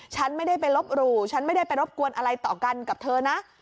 ฉันไม่ได้ไปลบหรูฉันไม่ได้ไปรบกวนอะไรต่อกันกับเธอนะ